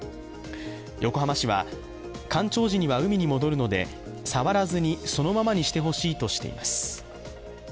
横浜市は、干潮時には海に戻るので触らずにそのままにしてほしいとしています。